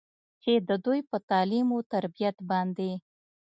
چې د دوي پۀ تعليم وتربيت باندې